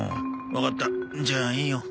わかったじゃあいいよ。